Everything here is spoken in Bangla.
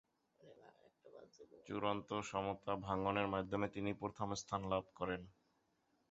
চূড়ান্ত সমতা-ভাঙনের মাধ্যমে তিনি প্রথম স্থান লাভ করেন।